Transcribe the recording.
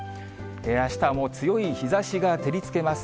あしたは強い日ざしが照りつけます。